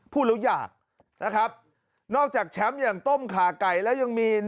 พูดแล้วอยากนะครับนอกจากแชมป์อย่างต้มขาไก่แล้วยังมี